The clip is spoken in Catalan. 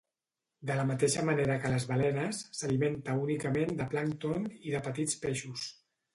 De la mateixa manera que les balenes, s'alimenta únicament de plàncton i de petits peixos.